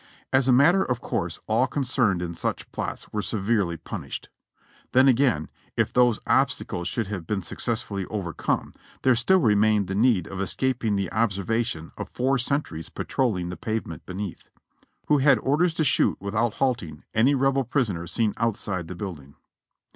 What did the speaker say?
As a matter of course all concerned in such plots were severely pun ished. Then again, if those obstacles should have been success fully overcome, there still remained the need of escaping the ob servation of four sentries patrolling the pavement beneath, who had orders to shoot without halting any Rebel prisoner seen outside the building.